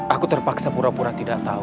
aku terpaksa pura pura tidak tahu